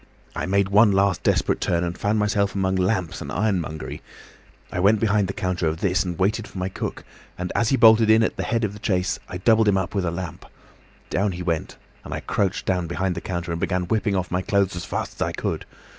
I made one last desperate turn and found myself among lamps and ironmongery. I went behind the counter of this, and waited for my cook, and as he bolted in at the head of the chase, I doubled him up with a lamp. Down he went, and I crouched down behind the counter and began whipping off my clothes as fast as I could.